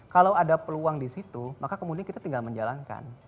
kalau ada peluang di situ maka kemudian kita tinggal menjalankan